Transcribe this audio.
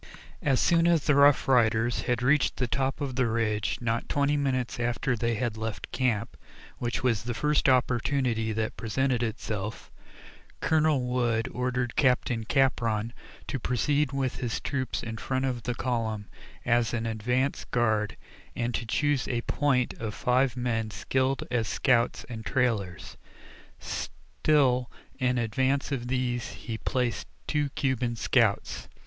As soon as the Rough Riders had reached the top of the ridge, not twenty minutes after they had left camp, which was the first opportunity that presented itself, Colonel Wood ordered Captain Capron to proceed with his troop in front of the column as an advance guard, and to choose a "point" of five men skilled as scouts and trailers. Still in advance of these he placed two Cuban scouts.